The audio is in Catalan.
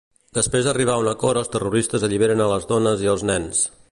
Després d'arribar a un acord els terroristes alliberen a les dones i els nens.